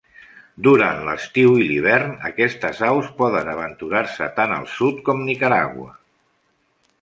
Durant l'estiu i l'hivern, aquestes aus poden aventurar-se tan al sud com Nicaragua.